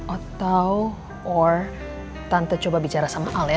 atau war tante coba bicara sama al ya